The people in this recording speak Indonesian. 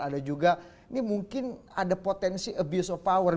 ada juga ini mungkin ada potensi abuse of power